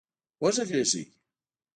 وږغېږئ